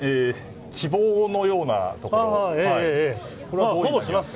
希望のようなところですか。